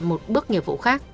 một bước nghiệp vụ khác